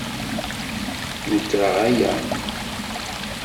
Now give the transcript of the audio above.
Nekṛeɣ aya.